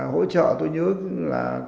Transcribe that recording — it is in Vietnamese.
hỗ trợ tôi nhớ là